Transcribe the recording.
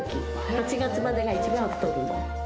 ８月までが一番太るの。